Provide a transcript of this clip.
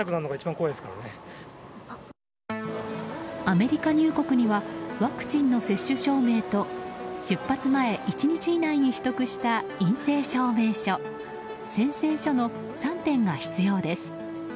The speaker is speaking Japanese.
アメリカ入国にはワクチンの接種証明と出発前１日以内に取得した陰性証明書、宣誓書の３点が必要です。